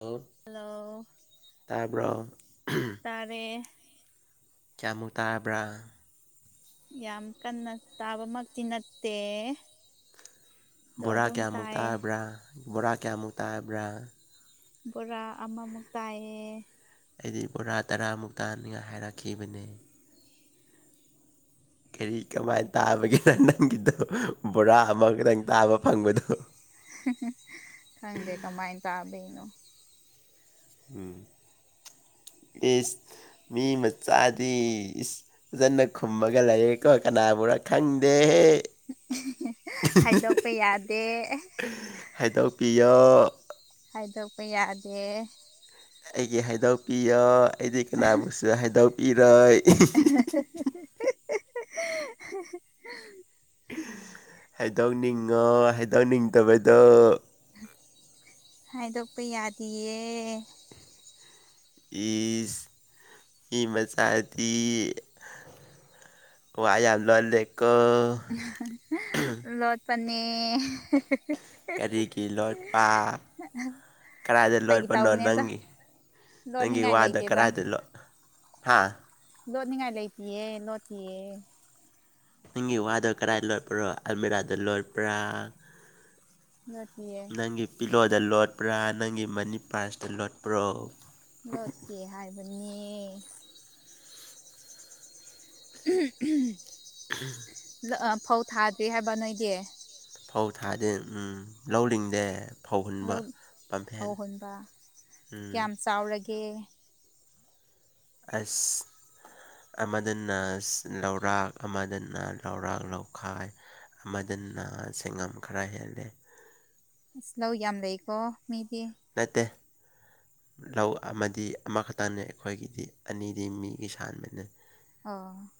ꯑ ꯍꯜꯂꯣ ꯇꯥꯕ꯭ꯔꯣ ꯎꯝ ꯇꯥꯔꯦ ꯀꯌꯥꯃꯨ ꯇꯥꯔꯕ꯭ꯔꯥ ꯌꯥꯝ ꯀꯟꯅ ꯇꯥꯕꯃꯛꯇꯤ ꯅꯠꯇꯦ ꯑꯗꯣ ꯕꯣꯔꯥ ꯑꯗꯨꯝ ꯀꯌꯥꯃꯨꯛ ꯇꯥꯏꯌꯦ ꯇꯥꯕ꯭ꯔꯥ ꯕꯣꯔꯥ ꯀꯌꯥꯃꯨꯛ ꯇꯥꯕ꯭ꯔꯥ꯫ ꯕꯣꯔꯥ ꯑꯃꯃꯨꯛ ꯇꯥꯏꯌꯦ ꯑꯩꯗꯤ ꯕꯣꯔꯥ ꯇꯔꯥꯃꯨꯛ ꯇꯥꯅꯤꯡꯉꯥꯏ ꯍꯥꯏꯔꯛꯈꯤꯕꯅꯦ ꯀꯔꯤ ꯀꯃꯥꯏꯟ ꯇꯥꯕꯒꯤꯅ ꯅꯪꯒꯤꯗꯣ ꯕꯣꯔꯥ ꯑꯃꯈꯛꯇꯪ ꯇꯥꯕ ꯐꯪꯕꯗꯣ ꯈꯪꯗꯦ ꯀꯃꯥꯏꯅ ꯇꯥꯕꯩꯅꯣ ꯎꯝ ꯏꯁ ꯃꯤ ꯃꯆꯥꯗꯤ ꯏꯁ ꯐꯖꯅ ꯈꯨꯝꯃꯒ ꯂꯩꯥꯏꯌꯦꯀꯣ ꯀꯅꯥꯕꯨꯔꯥ ꯈꯪꯗꯦꯍꯦ ꯑꯦꯍ ꯍ ꯍ ꯍꯥꯏꯗꯣꯛꯄ ꯌꯥꯗꯦ ꯍꯥꯏꯗꯣꯛꯄꯤꯌꯣ ꯍꯥꯏꯗꯣꯛꯄ ꯌꯥꯗꯦ ꯑꯩꯒꯤ ꯍꯥꯏꯗꯣꯛꯄꯤꯌꯣ ꯑꯩꯗꯤ ꯀꯅꯥꯕꯨꯁꯨ ꯍꯥꯏꯗꯣꯛꯄꯤꯔꯣꯏ ꯑꯦꯍ ꯍ ꯍ ꯍ ꯍꯥꯏꯗꯣꯛꯅꯤꯡꯉꯣ ꯍꯥꯏꯗꯣꯛꯅꯤꯡꯗꯕꯗꯣ ꯍꯥꯏꯗꯣꯛꯄ ꯌꯥꯗꯤꯌꯦ ꯏꯁ ꯏ ꯃꯆꯥꯗꯤꯤ ꯋꯥ ꯌꯥꯝ ꯂꯜꯂꯦ ꯀꯣ꯫ [unintelligible] ꯂꯣꯠꯄꯅꯦ [unintelligible] ꯀꯔꯤꯒꯤ ꯂꯣꯠꯄ ꯀꯗꯥꯏꯗ ꯐꯥꯒꯤ ꯂꯣꯠꯄꯅꯣ ꯇꯧꯅꯦꯗ ꯅꯪꯒꯤ ꯅꯪꯒꯤ ꯂꯣꯠꯅꯤꯡꯉꯥꯏ ꯋꯥꯗ ꯂꯩꯇꯦꯗ ꯀꯔꯥꯏꯗ ꯂꯣ ꯍꯥꯥ ꯂꯣꯅꯤꯡꯉꯥꯏ ꯂꯩꯇꯤꯌꯦ ꯂꯣꯠꯇꯤꯑꯦ꯫ ꯅꯪꯒꯤ ꯋꯥꯗꯣ ꯀꯗꯥꯥꯏ ꯂꯣꯠꯄ꯭ꯔꯣ ꯑꯜꯃꯤꯔꯥꯗ ꯂꯣꯠꯄ꯭ꯔꯥ꯫ [unintelligible] ꯅꯪꯒꯤ ꯄꯤꯂꯣꯗ ꯂꯣꯠꯄ꯭ꯔꯥ ꯅꯪꯒꯤ ꯃꯅꯤ ꯄꯥꯔꯁꯇ ꯂꯣꯠꯄ꯭ꯔꯣ ꯂꯣꯠꯇꯦ ꯍꯥꯏꯕꯅꯦ ꯎꯝ ꯎꯝ ꯂ ꯐꯧ ꯊꯥꯗ꯭ꯔꯤ ꯍꯥꯏꯕ ꯅꯣꯏꯒꯤ ꯐꯧ ꯊꯥꯗꯦ ꯎꯝ ꯂꯧ ꯂꯤꯡꯗꯦ ꯐꯧꯍꯨꯟꯕ ꯂꯧ ꯄꯝꯐꯦꯟ ꯎꯝ ꯇꯥꯎꯔꯒꯦ ꯑꯁ꯫ ꯑꯃꯗꯅ ꯂꯧꯔꯥꯛ ꯑꯃꯗꯅ ꯂꯧꯔꯥꯛ ꯂꯧꯈꯥꯏ ꯑꯃꯗꯅ ꯁꯦꯡꯉꯝ ꯈꯔ ꯍꯦꯜꯂꯦ ꯑꯁ ꯂꯧ ꯌꯥꯝ ꯂꯩꯀꯣ ꯃꯤꯗꯤ ꯅꯠꯇꯦ ꯂꯧ ꯑꯃꯗꯤ ꯑꯃꯈꯛꯇꯅꯦ ꯑꯩꯈꯣꯏꯒꯤꯗꯤ ꯑꯅꯤꯗꯤ ꯃꯤꯒꯤ ꯁꯥꯟꯕꯅꯦ ꯑꯣ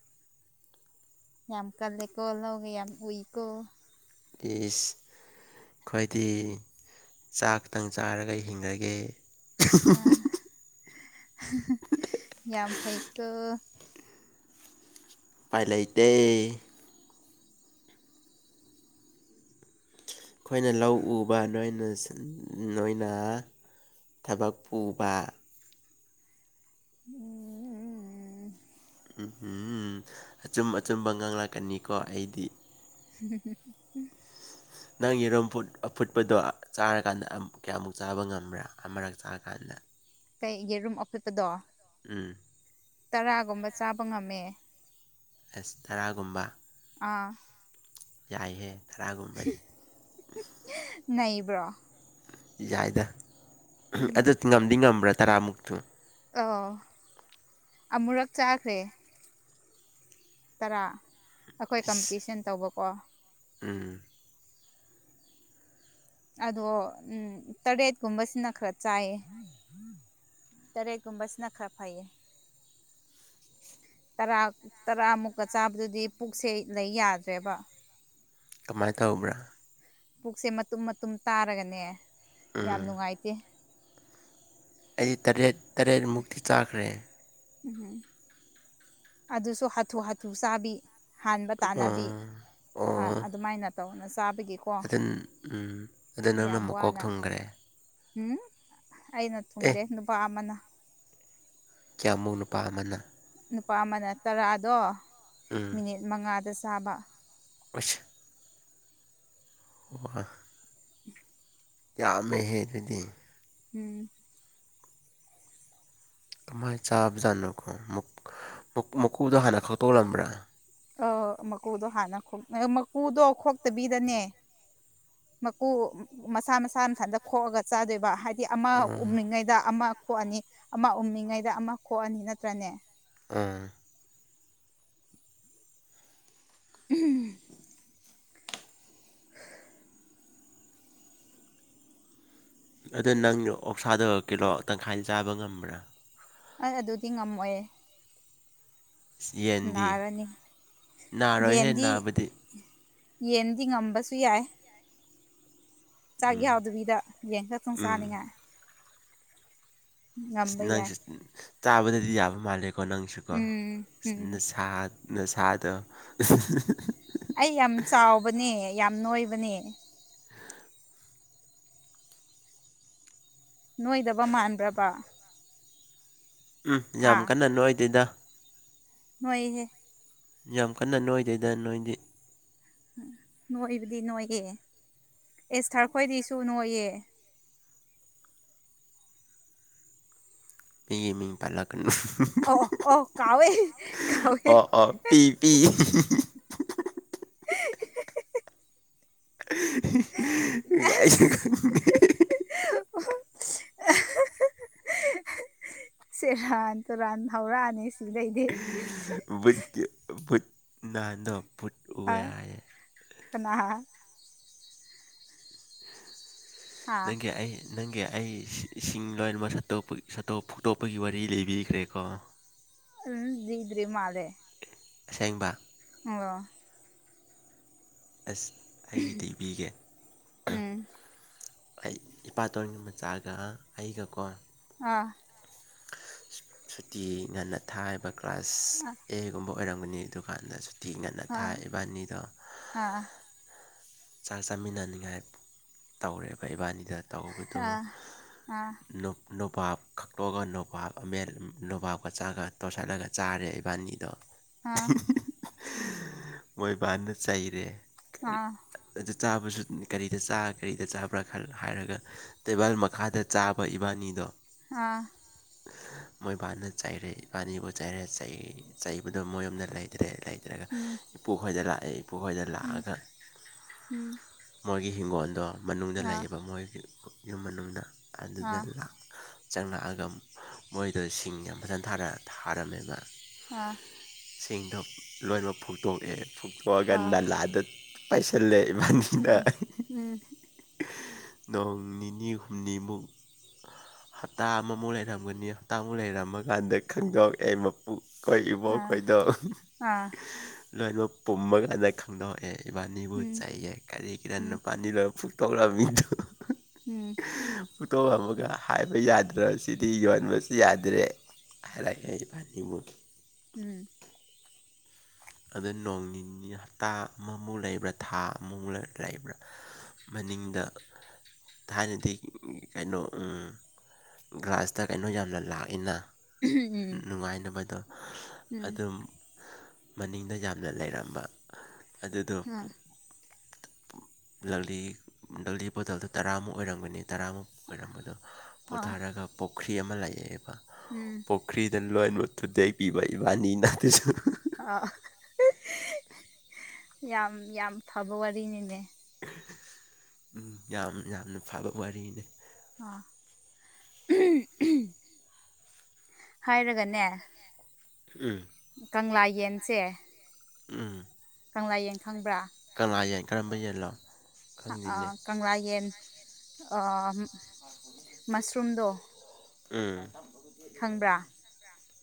ꯌꯥꯝ ꯀꯜꯂꯦꯀꯣ ꯂꯧꯒ ꯌꯥꯝ ꯎꯏꯀꯣ ꯏꯁ ꯈꯣꯏꯗꯤ ꯆꯥꯛꯇꯪ ꯆꯥꯔꯒ ꯍꯤꯡꯉꯒꯦ ꯑ ꯍ ꯍ ꯍ ꯌꯥꯝ ꯐꯩꯀꯣ ꯄꯥꯏ ꯂꯩꯇꯦ ꯑꯩꯈꯣꯏꯅ ꯂꯧ ꯎꯕ ꯅꯅ ꯅꯣꯏꯅ ꯊꯕꯛ ꯄꯨꯕꯥ ꯎꯝ ꯎꯝ ꯎꯝ ꯎꯝ ꯍꯨꯝ ꯑꯆꯨꯝ ꯑꯆꯨꯝꯕ ꯉꯥꯡꯂꯛꯀꯅꯤꯀꯣ ꯑꯩꯗꯤ [unintelligible] ꯅꯪ ꯌꯦꯔꯨꯝ ꯐꯨꯠ ꯑꯐꯨꯠꯄꯗꯣ ꯆꯥꯔꯀꯥꯟꯗ ꯀꯌꯥꯃꯨꯛ ꯆꯥꯕ ꯉꯝꯕ꯭ꯔꯥ ꯑꯃꯔꯛ ꯆꯥꯔ ꯀꯥꯟꯗ ꯀꯩ ꯌꯦꯔꯨꯝ ꯑꯐꯨꯠꯄꯗꯣ ꯎꯝ ꯇꯔꯥꯒꯨꯝꯕ ꯆꯥꯕ ꯉꯝꯃꯦ ꯑꯁ ꯇꯔꯥꯒꯨꯝꯕ ꯑꯥ ꯌꯥꯏꯍꯦ ꯈꯔꯥꯒꯨꯝꯕꯗꯤ [unintelligible] ꯅꯩꯕ꯭ꯔꯣ ꯌꯥꯏꯗ ꯎꯝ ꯑꯗꯨ ꯉꯝꯗꯤ ꯉꯝꯕ꯭ꯔꯥ ꯇꯔꯥꯃꯨꯛꯇꯨ ꯑꯣ ꯑꯃꯨꯔꯛ ꯆꯥꯈ꯭ꯔꯦ ꯇꯔꯥ ꯑꯩꯈꯣꯏ ꯏꯁ ꯀꯝꯄꯤꯇꯤꯁꯟ ꯇꯧꯕꯀꯣ ꯎꯝ ꯑꯗꯣ ꯎꯝ ꯇꯔꯦꯠꯀꯨꯝꯕꯁꯤꯅ ꯈꯔ ꯆꯥꯏꯌꯦ ꯇꯔꯦꯠꯀꯨꯝꯕꯁꯤꯅ ꯈꯔ ꯐꯩꯌꯦ ꯇꯔꯥ ꯇꯔꯥꯃꯨꯛꯀ ꯆꯥꯕꯗꯨꯗꯤ ꯄꯨꯛꯁꯦ ꯂꯩ ꯌꯥꯗ꯭ꯔꯦꯕ ꯀꯃꯥꯏꯅ ꯇꯧꯕ꯭ꯔꯥ ꯄꯨꯛꯁꯦ ꯃꯇꯨꯝ ꯃꯇꯨꯝ ꯇꯥꯔꯒꯅꯦ ꯌꯥꯝ ꯎꯝ ꯅꯨꯡꯉꯥꯏꯇꯦ ꯑꯩꯗꯤ ꯇꯔꯦꯠ ꯇꯔꯦꯠꯃꯨꯛꯇꯤ ꯆꯥꯈ꯭ꯔꯦ ꯎꯝꯝ ꯑꯗꯨꯁꯨ ꯍꯥꯊꯨ ꯍꯥꯊꯨ ꯆꯥꯕꯤ ꯍꯥꯟꯕ ꯑꯣ ꯇꯥꯟꯅꯕꯤ ꯑꯗꯨꯃꯥꯏꯅ ꯇꯧꯅ ꯆꯥꯕꯒꯤ ꯑꯗꯨꯟ ꯎꯝ ꯑꯗꯨ ꯅꯪꯅ ꯃꯀꯣꯛ ꯋꯥꯅ ꯊꯨꯝꯒꯔꯦ ꯎꯝ ꯑꯩꯅ ꯑꯦ ꯊꯨꯡꯗꯦ ꯅꯨꯄꯥ ꯑꯃꯅ꯫ ꯀꯌꯥꯃꯨ ꯅꯨꯄꯥ ꯑꯃꯅ ꯅꯨꯄꯥ ꯑꯃꯅ ꯇꯔꯥꯗꯣ ꯃꯤꯅꯤꯠ ꯃꯉꯥꯗ ꯆꯥꯕ ꯑꯣꯏꯁ ꯋꯥ꯫ ꯌꯥꯝꯃꯦꯍꯦ ꯑꯗꯨꯗꯤ ꯎꯝ ꯀꯃꯥꯏ ꯆꯥꯕ ꯖꯥꯠꯅꯣꯀꯣ ꯃꯛ ꯃꯛ ꯃꯀꯨꯗꯣ ꯍꯥꯟꯅ ꯈꯛꯇꯣꯛꯂꯝꯕ꯭ꯔꯥ ꯑ ꯃꯀꯨꯗꯣ ꯍꯥꯟꯅ ꯈꯣꯛ ꯃꯀꯨꯗꯣ ꯈꯣꯛꯇꯕꯤꯗꯅꯦ ꯃꯀꯨ ꯃꯁꯥ ꯃꯁꯥ ꯃꯊꯟꯗ ꯈꯣꯛꯑꯒ ꯆꯥꯗꯣꯏꯕ ꯍꯥꯏꯗꯤ ꯑꯃ ꯎꯝ ꯎꯃꯤꯉꯩꯗ ꯑꯃ ꯈꯣꯛꯑꯅꯤ ꯑꯃ ꯎꯝꯃꯤꯉꯩꯗ ꯑꯃ ꯈꯣꯛꯑꯅꯤ ꯅꯠꯇ꯭ꯔꯅꯦ ꯑ ꯎꯝ [unintelligible] ꯑꯗꯨ ꯅꯪ ꯑꯣꯛꯁꯥꯗꯣ ꯀꯤꯂꯣ ꯇꯪꯈꯥꯏꯗ ꯆꯥꯕ ꯉꯝꯕ꯭ꯔꯥ ꯑꯩ ꯑꯗꯨꯗꯤ ꯉꯝꯃꯣꯏꯌꯦ ꯏꯁ ꯌꯦꯟꯗꯤ ꯅꯥꯔꯅꯤ ꯅꯥꯔꯣꯏꯍꯦ ꯌꯦꯟꯗꯤ꯫ ꯅꯥꯕꯗꯤ ꯌꯦꯟꯗꯤ ꯉꯝꯕꯁꯨ ꯌꯥꯏ ꯆꯥꯛ ꯎꯝ ꯌꯥꯎꯗꯕꯤꯗ ꯌꯦꯟ ꯈꯇꯪ ꯎꯝ ꯆꯥꯅꯤꯡꯉꯦ ꯉꯝꯕ ꯌꯥꯏ ꯅꯪꯁꯨ ꯆꯥꯕꯗꯗꯤ ꯌꯥꯕ ꯃꯥꯜꯂꯦꯀꯣ ꯅꯪꯁꯨꯀꯣ ꯎꯝ ꯑꯁ ꯎꯝ ꯅꯁꯥ ꯅꯁꯥꯗꯣ [unintelligible] ꯑꯩ ꯌꯥꯝ ꯆꯥꯎꯕꯅꯦ ꯌꯥꯝ ꯅꯣꯏꯕꯅꯦ꯫ ꯅꯣꯏꯗꯕ ꯃꯥꯟꯕ꯭ꯔꯕꯥ ꯎꯝ ꯌꯥꯝ ꯀꯟꯅ ꯅꯣꯏꯗꯦꯗ ꯍꯣꯏꯍꯦ ꯌꯥꯝ ꯀꯟꯅ ꯅꯣꯏꯗꯦꯗ ꯅꯣꯏꯗꯤ꯫ ꯅꯣꯏꯕꯨꯗꯤ ꯅꯣꯏꯌꯦ ꯑꯦꯁ ꯊꯥꯔ ꯈꯣꯏꯗꯤꯁꯨ ꯅꯣꯏꯌꯦ ꯃꯤꯒꯤ ꯃꯤꯡ ꯄꯜꯂꯛꯀꯅꯨ ꯎꯝ ꯍ ꯑꯣꯑꯣ ꯑꯣ ꯀꯥꯎꯋꯦ ꯀꯥꯎꯋꯦ ꯑꯣ ꯑꯣ ꯄꯤ ꯄꯤ ꯑꯁ [unintelligible] [inaudible] [unintelligible] ꯁꯦꯔꯥꯟ ꯇꯨꯔꯥꯟ ꯍꯧꯔꯛꯑꯅꯤ ꯁꯤꯗꯩꯗꯤ ꯨꯕꯨꯠꯀꯤ ꯕꯨꯠ ꯅꯥꯟꯗꯣ ꯕꯨꯠ ꯎꯏ ꯍꯥꯏꯌꯦ꯫ ꯁꯅ ꯍꯥ ꯅꯪꯒꯤ ꯑꯩ꯫ ꯅꯪꯒꯤ ꯑꯩ ꯏꯁꯤꯡ ꯂꯣꯏꯅꯃꯛ ꯁꯠꯇꯣꯛꯄ ꯁꯠꯇꯣꯛ ꯐꯨꯛꯇꯣꯛꯄꯒꯤ ꯋꯥꯔꯤ ꯂꯩꯕꯤꯈ꯭ꯔꯦꯀꯣ꯫ ꯎꯝ ꯗꯗ꯭ꯔꯤ ꯃꯥꯜꯂꯦ꯫ ꯁꯦꯡꯕ ꯑꯣ ꯑꯁ ꯑꯩꯗꯤ ꯏꯕꯤꯒꯦ ꯎꯝ ꯑꯩ ꯏꯄꯥꯇꯣꯟꯒꯤ ꯃꯆꯥꯒ ꯑꯩꯒꯀꯣ ꯑꯥ ꯁꯨꯇꯤ ꯉꯟꯅ ꯊꯥꯏꯕ ꯀ꯭ꯂꯥꯁ ꯑꯥ ꯑꯦꯒꯨꯝꯕ ꯑꯣꯏꯔꯝꯒꯅꯤ ꯑꯗꯨꯀꯥꯟꯗ꯫ ꯊꯤꯅꯅ ꯑꯥ ꯊꯥꯛ ꯏꯕꯥꯅꯤꯗꯣ ꯑꯥ꯫ ꯆꯥꯛ ꯆꯥꯃꯤꯟꯅꯅꯤꯡꯉꯥꯏ ꯇꯧꯔꯦꯕ ꯏꯕꯥꯅꯤꯗ ꯇꯧꯕꯗꯣ ꯑꯥ ꯑꯥ ꯅꯣꯄꯥꯞ ꯈꯛꯇꯣꯛꯑꯒ ꯅꯣꯄꯥꯞ ꯑꯃꯠ ꯅꯣꯕꯥꯞꯀ ꯆꯆꯥꯒ ꯇꯣꯠꯁꯤꯠꯂꯒ ꯆꯥꯔꯦ ꯏꯕꯥꯅꯤꯗꯣ ꯑ ꯃꯣꯏꯕꯥꯅ ꯆꯩꯔꯦ ꯀꯔꯤ ꯑꯥ ꯑꯗꯨ ꯆꯥꯕꯁꯨ ꯀꯔꯤꯗ ꯆꯥ ꯀꯔꯤꯗ ꯆꯥꯕ꯭ꯔꯥ ꯈꯔ ꯍꯥꯏꯔꯒ꯫ ꯇꯦꯕꯜ ꯃꯈꯥꯗ ꯆꯥꯕ ꯏꯕꯥꯅꯤꯗꯣ ꯑꯥ꯫ ꯃꯣꯏ ꯏꯕꯥꯅ ꯆꯩꯔꯦ ꯏꯕꯥꯅꯤꯕꯨ ꯆꯩꯔꯦ ꯆꯩ ꯆꯩꯕꯗꯣ ꯃꯣꯏ ꯌ ꯑꯃꯗ ꯂꯩ ꯂꯩꯇ꯭ꯔꯦ ꯂꯩꯇ꯭ꯔꯒ ꯎꯝ ꯎꯝ ꯏꯄꯨ ꯈꯣꯏꯗ ꯂꯥꯛꯑꯦ ꯏꯄꯨꯈꯣꯏꯗ ꯂꯥꯛꯑꯒ ꯎꯝ ꯃꯣꯏꯒꯤ ꯍꯤꯡꯒꯣꯜꯗꯣ ꯃꯅꯨꯡꯗ ꯑꯥ ꯂꯩꯌꯦꯕ ꯃꯣꯏ ꯌꯨꯝ ꯃꯅꯨꯡꯗ ꯑꯗꯨꯗ ꯆꯪꯂꯛꯑꯒ ꯃꯣꯏꯗꯣ ꯁꯤꯡ ꯌꯥꯝ ꯐꯖꯅ ꯊꯥꯔ ꯊꯥꯔꯝꯃꯦꯕ ꯑꯥ ꯁꯤꯡꯗꯣ ꯂꯣꯏꯅꯃꯛ ꯐꯨꯛꯇꯣꯛꯑꯦ ꯐꯨꯛꯇꯣꯛꯑꯒ ꯑꯥ ꯑꯥ ꯅꯥꯂꯥꯗ ꯄꯩꯁꯤꯜꯂꯦ ꯏꯕꯥꯅꯤꯗ꯫ ꯎꯝ ꯎꯝ ꯅꯣꯡ ꯅꯤꯅꯤ ꯍꯨꯝꯅꯤꯃꯨꯛ꯫ ꯍꯞꯇꯥ ꯑꯃꯃꯨꯛ ꯂꯩꯔꯝꯒꯅꯤ ꯍꯞꯇꯥꯃꯨꯛ ꯂꯩꯔꯝꯃ ꯀꯥꯟꯗ ꯈꯪꯗꯧꯑꯦ ꯑꯩ ꯀꯛꯏꯕ ꯑꯥ ꯑꯩꯈꯣꯏꯗ ꯑꯥ ꯂꯣꯏꯅꯃꯛ ꯄꯨꯝꯃ ꯀꯥꯟꯗ ꯈꯪꯗꯣꯛꯑꯦ ꯏꯕꯥꯅꯤꯕꯨ ꯎꯝ ꯆꯩꯌꯦ ꯀꯔꯤꯒꯤꯈꯤꯇꯪ ꯎꯝ ꯎꯝ ꯅꯨꯄꯥꯅꯤ ꯂꯣꯏꯅ ꯇ ꯑꯣꯥ ꯃꯤꯕꯤꯖ ꯎꯝ꯫ ꯄꯣꯇꯣ ꯑꯃꯒ ꯍꯥꯏꯕ ꯌꯥꯗ꯭ꯔ ꯁꯤꯗꯤ ꯌꯣꯟꯕꯁꯨ ꯌꯥꯗ꯭ꯔꯦ ꯑꯔ ꯐꯅꯤꯃ ꯎꯝ ꯑꯗꯨ ꯅꯣꯡ ꯅꯤꯅꯤ ꯍꯞꯇꯥ ꯑꯃꯃꯨꯛ ꯂꯩꯕ꯭ꯔꯥ ꯊꯥ ꯑꯃꯃꯨꯛ ꯂꯩꯕ꯭ꯔꯥ ꯃꯅꯤꯡꯗ ꯊꯥꯏꯅꯗꯤ ꯀꯩꯅꯣ ꯑꯡ꯫ ꯒ꯭ꯔꯥꯁꯇ ꯀꯩꯅꯣ ꯌꯥꯝꯅ ꯂꯥꯛꯏꯅ ꯎꯝ ꯅꯨꯡꯉꯥꯏꯅꯕꯗꯣ꯫ ꯎꯝ ꯑꯗꯨꯝ ꯃꯅꯤꯡꯗ ꯌꯥꯝꯅ ꯂꯩꯔꯝꯕ ꯑꯗꯨꯗꯣ ꯑꯥ ꯂꯛꯂꯤ ꯂꯛꯂꯤ ꯕꯣꯇꯜꯗꯨꯣ ꯇꯔꯥꯃꯨꯛ ꯑꯣꯏꯔꯝꯒꯅꯤ ꯇꯔꯥꯃꯨꯛ ꯑꯣꯏꯔꯝꯕꯗꯣ ꯑꯥ ꯄꯣꯊꯥꯔꯒ ꯄꯨꯈ꯭ꯔꯤ ꯑꯃ ꯂꯩꯑꯦꯕ ꯎꯝ꯫ ꯄꯨꯈ꯭ꯔꯤꯗ ꯂꯣꯏꯃꯠ ꯇꯨꯗꯦꯛꯄꯤꯕ ꯏꯕꯥꯅꯤꯅ ꯑꯗꯨꯁꯨ ꯑ ꯌꯥꯝ ꯌꯥꯝ ꯐꯕ ꯋꯥꯔꯤꯅꯤꯅꯦ ꯎꯝ ꯌꯥꯝ ꯌꯥꯝꯅ ꯐꯕ ꯋꯥꯔꯤꯅꯤ ꯑ ꯍꯥꯏꯔꯒꯅꯦ꯫ ꯎꯝ ꯀꯪꯂꯥ ꯌꯦꯟꯁꯦ ꯎꯝ ꯀꯪꯂꯥꯌꯦꯡ ꯈꯪꯕ꯭ꯔꯥ ꯀꯪꯂꯅꯥꯥ ꯌꯦꯡ ꯀꯔꯝꯕ ꯌꯦꯟꯂꯣ ꯈꯪꯗꯦꯅꯦ ꯀꯪꯂꯥ ꯌꯦꯟ ꯃꯁꯔꯨꯝꯗꯣ ꯎꯝ ꯈꯪꯕ꯭ꯔꯥ꯫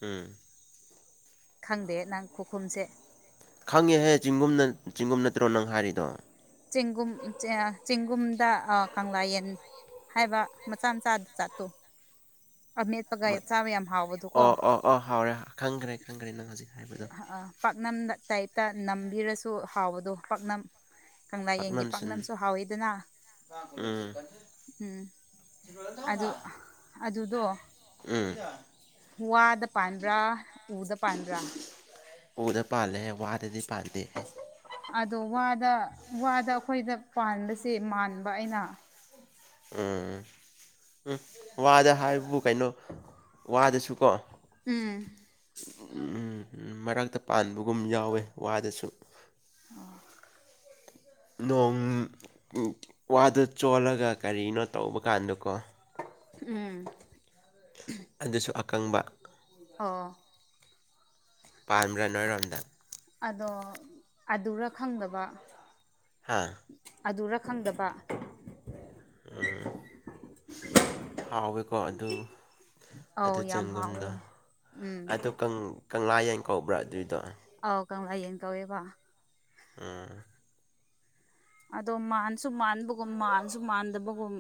ꯎꯝ ꯈꯪꯗꯦ ꯅꯪ ꯈꯨꯈꯨꯝꯁꯦ ꯈꯪꯉꯦꯍꯦ ꯆꯤꯡꯒꯨꯝꯅ ꯆꯤꯡꯒꯨꯝ ꯅꯠꯇ꯭ꯔꯣ ꯅꯪ ꯍꯥꯏꯔꯤꯗꯣ ꯆꯦꯡꯒꯨꯝ [unintelligible] ꯆꯦꯡꯒꯨꯝꯗ ꯀꯪꯂꯥꯌꯦꯟ ꯍꯥꯏꯕ ꯃꯆꯥ ꯃꯆꯥꯗ ꯖꯥꯠꯇꯨ ꯑꯃꯦꯠꯄꯒ ꯆꯥꯕ ꯌꯥꯝ ꯍꯥꯎꯕꯗꯨ ꯀꯣ꯫ ꯑ ꯍꯥꯎꯔꯦ ꯈꯪꯈ꯭ꯔꯦ ꯈꯪꯈ꯭ꯔꯦ ꯅꯪ ꯍꯧꯖꯤꯛ ꯍꯥꯏꯕꯗꯣ ꯄꯥꯛꯅꯝ ꯇꯥꯏꯞꯇ ꯅꯝꯕꯤꯔꯁꯨ ꯍꯥꯎꯕꯗꯣ ꯄꯥꯛꯅꯝ ꯀꯪꯂꯥꯌꯦꯟꯒꯤ ꯄꯥꯛꯅꯝꯁꯤꯟ ꯄꯥꯛꯅꯝꯁꯨ ꯍꯥꯎꯋꯤꯗꯅ ꯎꯝ ꯎꯝ ꯑꯗꯨ ꯑꯗꯨꯗꯣ ꯎꯝ ꯋꯥꯗ ꯄꯥꯟꯕ꯭ꯔꯥ ꯎꯗ ꯄꯥꯟꯕ꯭ꯔꯥ ꯎꯗ ꯄꯥꯜꯂꯦ ꯋꯥꯗꯗꯤ ꯄꯥꯗꯦꯍꯦ ꯑꯗꯣ ꯋꯥꯗ ꯋꯥꯗ ꯑꯩꯈꯣꯏꯗ ꯄꯥꯟꯕꯁꯦ ꯃꯥꯟꯕ ꯑꯩꯅ ꯎꯝꯝ ꯎꯝ ꯋꯥꯗ ꯍꯥꯏꯕꯨ ꯀꯩꯅꯣ ꯋꯥꯗꯁꯨꯀꯣ ꯎꯝ ꯃꯔꯛꯇ ꯄꯥꯟꯕꯒꯨꯝ ꯌꯥꯎꯋꯦ ꯋꯥꯗꯁꯨ ꯑꯣ ꯅꯣꯡ ꯋꯥꯗ ꯆꯣꯜꯂꯒ ꯀꯔꯤꯅꯣ ꯇꯧꯕ ꯀꯥꯟꯗꯀꯣ ꯎꯝ ꯑꯗꯨꯁꯨ ꯑꯀꯪꯕ ꯑꯣ ꯄꯥꯟꯕ꯭ꯔꯥ ꯅꯣꯏꯔꯣꯝꯗꯥꯥ ꯑꯗꯣ ꯑꯗꯨꯔ ꯈꯪꯗꯕ ꯍꯥꯥ ꯑꯗꯨꯔ ꯈꯪꯗꯕ ꯎꯝ ꯊꯥꯎꯋꯦꯀꯣ ꯑꯗꯨ ꯑꯗꯨ ꯑꯧ ꯌꯥꯝ ꯍꯥꯎꯋꯦ ꯆꯦꯡꯒꯨꯝꯗꯣ ꯎꯝ ꯑꯗꯨ ꯀꯪ ꯀꯪꯂꯥꯌꯦꯟ ꯀꯧꯕ꯭ꯔꯥ ꯑꯗꯨꯏꯗꯣ ꯑꯧ ꯀꯪꯂꯥꯌꯦꯟ ꯀꯧꯋꯦꯕ ꯑꯝ ꯑꯗꯣ ꯃꯥꯟꯁꯨ ꯃꯥꯟꯕꯒꯨꯝ ꯃꯥꯟꯁꯨ ꯃꯥꯟꯗꯕꯒꯨꯝ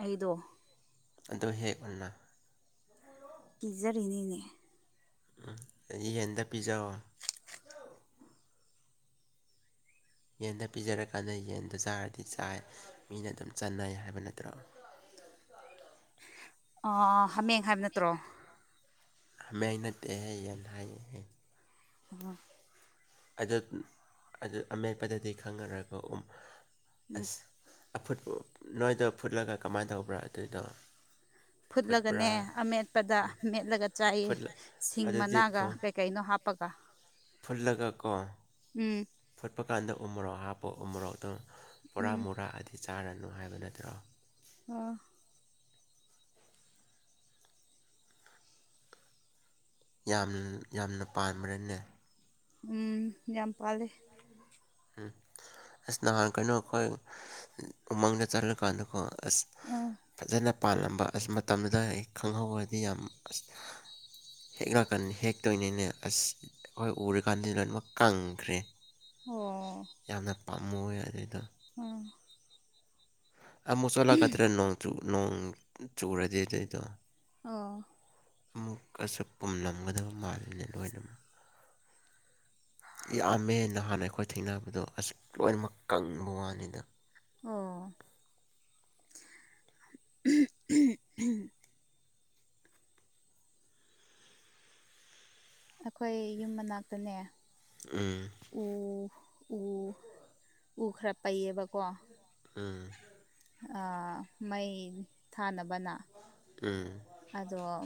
ꯑꯩꯗꯣ ꯑꯗꯣ ꯍꯦꯛꯑꯣꯅ ꯀꯤꯖꯔꯤꯅꯤꯅꯦ ꯎꯝ ꯌꯦꯟꯗ ꯄꯤꯖꯧꯑꯣ ꯌꯦꯟꯗ ꯄꯤꯖꯔꯀꯥꯟꯗ ꯌꯦꯟꯗꯣ ꯆꯥꯔꯗꯤ ꯆꯥꯏ ꯃꯤꯅ ꯑꯗꯨꯝ ꯆꯟꯅꯩ ꯍꯥꯏꯕ ꯅꯠꯇ꯭ꯔꯣ ꯑ ꯍꯃꯦꯡ ꯍꯥꯏꯕ ꯅꯠꯇ꯭ꯔꯣ ꯃꯌꯥꯏ ꯅꯠꯇꯦꯍꯦ ꯌꯦꯟ ꯍꯥꯏꯍꯦ ꯎꯝ ꯑꯗꯨ ꯑꯗꯨ ꯑꯃꯦꯠꯄꯗꯗꯤ ꯈꯪꯉꯔꯣꯏꯀꯣ ꯎꯝ ꯎꯝ ꯑꯁ ꯑꯐꯨꯠ ꯅꯣꯏꯗꯣ ꯐꯨꯠꯂꯒ ꯀꯃꯥꯏꯅ ꯇꯧꯕ꯭ꯔꯥ ꯑꯗꯨꯏꯗꯣ ꯐꯨꯠꯄ꯭ꯔꯥ ꯐꯨꯠꯂꯒꯅꯦ ꯑꯃꯦꯠꯄꯗ ꯃꯦꯠꯂꯒ ꯆꯥꯏꯌꯦ ꯐꯨꯠꯂ ꯁꯤꯡ ꯑꯗꯨꯗꯤ ꯃꯅꯥꯒ ꯀꯩ ꯀꯩꯅꯣ ꯍꯥꯞꯄꯒ ꯐꯨꯜꯂꯒꯀꯣ ꯎꯝ ꯐꯨꯠꯄ ꯀꯥꯟꯗ ꯎꯃꯣꯔꯣꯛ ꯍꯥꯞꯄꯣ ꯎꯃꯣꯔꯣꯛꯇꯣ ꯄꯨꯔꯥ ꯎꯝ ꯃꯨꯔꯥꯛꯑꯗꯤ ꯆꯥꯔꯅꯨ ꯍꯥꯏꯕ ꯅꯠꯇ꯭ꯔꯣ ꯑꯣ ꯌꯥꯝ ꯌꯥꯝꯅ ꯄꯥꯟꯕ꯭ꯔꯅꯦ ꯎꯝ ꯌꯥꯝ ꯄꯥꯂꯦ ꯎꯝ ꯑꯁ ꯅꯍꯥꯟ ꯀꯩꯅꯣ ꯑꯩꯈꯣꯏ ꯎꯃꯪꯗ ꯆꯠꯂꯀꯥꯟꯗꯀꯣ ꯑꯁ ꯑꯝ ꯐꯖꯅ ꯄꯥꯜꯂꯝꯕ ꯑꯁ ꯃꯇꯝꯗ ꯑꯩ ꯈꯪꯍꯧꯔꯗꯤ ꯌꯥꯝ ꯑꯁ ꯍꯦꯛ ꯂꯀꯥꯟꯗ ꯍꯦꯛꯇꯣꯏꯅꯤꯅꯦ ꯑꯁ ꯑꯩꯈꯣꯏ ꯎꯔꯤꯀꯥꯟꯗ ꯂꯣꯏꯅꯃꯛ ꯀꯪꯈ꯭ꯔꯦ ꯑꯣ ꯌꯥꯝꯅ ꯄꯥꯝꯃꯨꯏꯌꯦ ꯑꯗꯨꯏꯗꯣ ꯎꯝ ꯑꯃꯨꯛ ꯆꯣꯠꯂꯥꯛꯗꯔ ꯅꯣꯡ ꯅꯣꯡ ꯆꯨꯨꯔꯗꯤ ꯑꯗꯨꯏꯗꯣ ꯑꯣ ꯑꯃꯨꯛꯀꯁꯨ ꯄꯨꯝꯂꯝꯒꯗꯕ ꯃꯥꯜꯂꯤꯅꯦ ꯂꯣꯏꯅꯃꯛ꯫ ꯌꯥꯝꯃꯦ ꯅꯍꯥꯟ ꯑꯩꯈꯣꯏ ꯊꯦꯡꯅꯕꯗꯣ ꯑꯁ ꯂꯣꯏꯅꯃꯛ ꯀꯪꯕ ꯋꯥꯅꯤꯗ ꯑꯣ ꯑꯩꯈꯣꯏ ꯌꯨꯝ ꯃꯅꯥꯛꯇꯅꯦ꯫ ꯎꯝ ꯎ ꯎ ꯎ ꯈꯔ ꯄꯩꯌꯦꯕꯀꯣ ꯎꯝ ꯑ ꯃꯩ ꯊꯥꯅꯕꯅ ꯎꯝ꯫ ꯑꯗꯣ ꯑ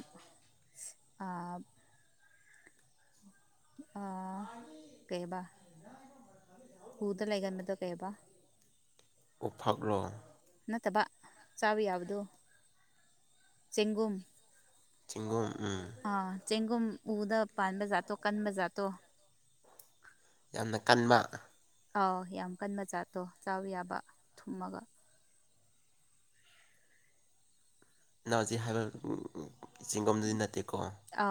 ꯑ ꯀꯩꯕꯥ꯫ ꯎꯗ ꯂꯩꯒꯟꯕꯗꯨ ꯀꯩꯥꯑꯥꯕ꯫ ꯎꯐꯛꯂꯣ ꯅꯠꯇꯕꯥ ꯆꯥꯕ ꯌꯥꯕꯗꯨ꯫ ꯆꯒꯨꯝ ꯆꯤꯡꯒꯨꯝ ꯎꯝ ꯑꯥ ꯆꯦꯡꯒꯨꯝ ꯎꯗ ꯄꯥꯟꯕ ꯖꯥꯠꯇꯣ ꯀꯟꯕ ꯖꯥꯠꯇꯣ ꯌꯥꯝꯅ ꯀꯟꯕ ꯑꯥꯎ ꯌꯥꯝ ꯀꯟꯕ ꯆꯥꯠꯇꯣ ꯆꯥꯎ ꯌꯥꯕ ꯊꯨꯝꯃꯒ ꯅꯅꯥꯎ ꯍꯧꯖꯤꯛ ꯍꯥꯏꯕ ꯆꯤꯡꯒꯣꯝꯗꯨꯗꯤ ꯅꯠꯇꯦꯀꯣ